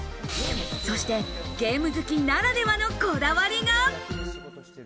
そしてゲーム好きならではのこだわりが。